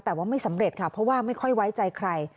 แต่ว่าไม่สำเร็จค่ะเพราะว่าไม่ค่อยไว้ใจใคร